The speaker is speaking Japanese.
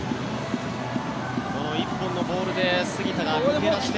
この１本のボールで杉田が抜け出して。